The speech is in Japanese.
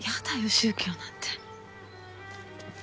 宗教なんて。